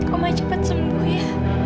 oma cepat sembuh ya